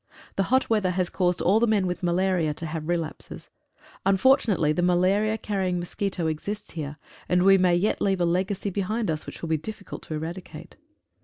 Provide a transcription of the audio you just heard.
The hot weather has caused all the men with malaria to have relapses. Unfortu nately the malaria carrying mosquito exists here, and we may yet leave a legacy behind us, which will be diffi cult to eradicate.